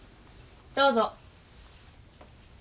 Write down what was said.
どうぞ。